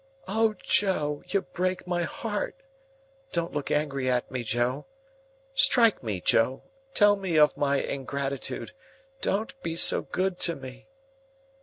"O Joe, you break my heart! Look angry at me, Joe. Strike me, Joe. Tell me of my ingratitude. Don't be so good to me!"